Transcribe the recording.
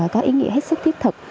có ý nghĩa hết sức thiết thực